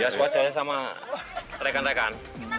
ya swadaya sama rekan rekan